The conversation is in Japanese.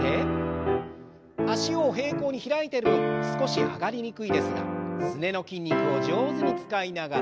脚を平行に開いてる分少し上がりにくいですがすねの筋肉を上手に使いながら。